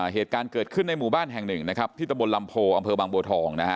เหตุการณ์เกิดขึ้นในหมู่บ้านแห่งหนึ่งทีไตบลลำโพบบท